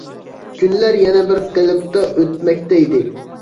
كۈنلەر يەنە بىر قېلىپتا ئۆتمەكتە ئىدى.